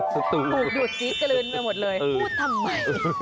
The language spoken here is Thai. สตูดูดสีกระลื้นมาหมดเลยพูดทำไม